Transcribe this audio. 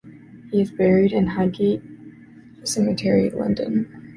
He is buried in Highgate Cemetery, London.